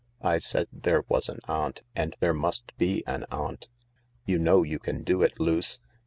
I said there was an aunt, and there must be an aunt. You know you can do it, Luce.